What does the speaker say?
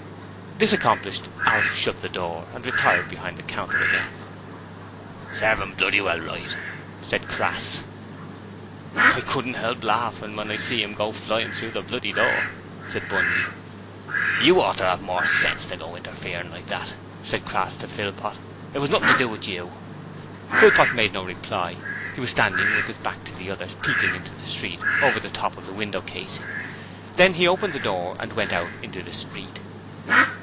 This accomplished, Alf shut the door and retired behind the counter again. 'Serve 'im bloody well right,' said Crass. 'I couldn't 'elp laughin' when I seen 'im go flyin' through the bloody door,' said Bundy. 'You oughter 'ave more sense than to go interferin' like that,' said Crass to Philpot. 'It was nothing to do with you.' Philpot made no reply. He was standing with his back to the others, peeping out into the street over the top of the window casing. Then he opened the door and went out into the street.